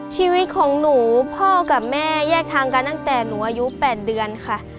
ชีวิตของหนูพ่อกับแม่แยกทางกันตั้งแต่หนูอายุ๘เดือนค่ะ